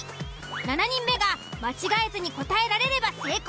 ７人目が間違えずに答えられれば成功。